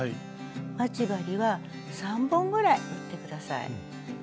待ち針は３本ぐらい打って下さい。